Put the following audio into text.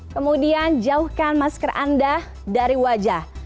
kemudian jauhkan masker anda dari wajah